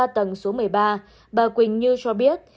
ba tầng số một mươi ba bà quỳnh như cho biết